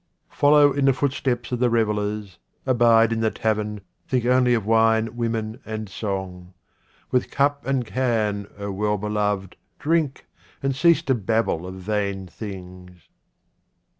Follow in the footsteps of the revellers, abide in the tavern, think only of wine, women, and song. With cup and can, O well beloved, drink, and cease to babble of vain things.